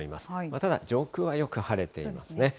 ただ上空はよく晴れていますね。